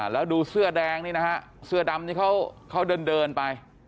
แล้วดูเสื้อแดงนี่นะฮะเสื้อดำนี่เขาเดินไป